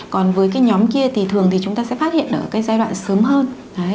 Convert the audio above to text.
còn với cái nhóm kia thì thường thì chúng ta sẽ phát hiện ở cái giai đoạn sớm hơn